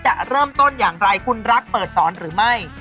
จะเริ่มต้นอย่างไรคุณรักเปิดสอนหรือไม่